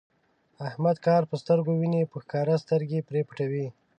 احمد کار په سترګو ویني، په ښکاره سترګې پرې پټوي.